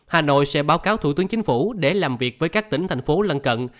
hà nội sẽ báo cáo thủ tướng chính phủ để làm việc với các tỉnh thành phố lân cận